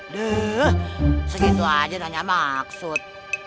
duh segitu aja nanya maksud